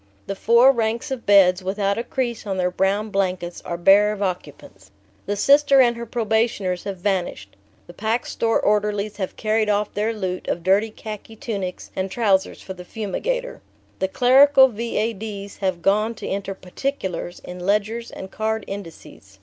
The four ranks of beds, without a crease on their brown blankets, are bare of occupants. The Sister and her probationers have vanished. The Pack Store orderlies have carried off their loot of dirty khaki tunics and trousers for the fumigator. The clerical V.A.D.'s have gone to enter "particulars" in ledgers and card indices.